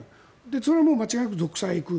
それは間違いなく独裁に行く。